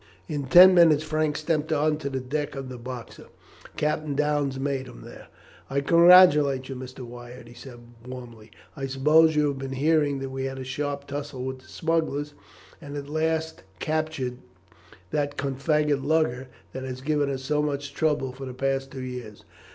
In ten minutes Frank stepped on to the deck of the Boxer. Captain Downes met him there. "I congratulate you, Mr. Wyatt," he said warmly. "I suppose you have been hearing that we had a sharp tussle with the smugglers, and at last captured that confounded lugger that has given us so much trouble for the past two years.